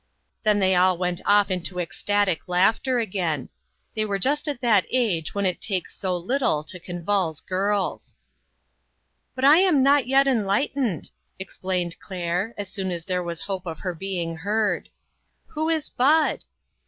Then they all went off into ecstatic laughter again. They were just at the age when it takes so little to convulse girls. IQ6 INTERRUPTED. " But I am not yet enlightened," explained Claire, as soon as there was hope of her being heard. "Who is Bud?"